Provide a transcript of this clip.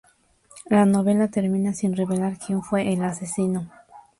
La novela termina sin revelar quien fue el asesino.